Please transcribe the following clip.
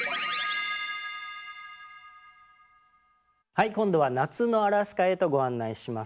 はい今度は夏のアラスカへとご案内します。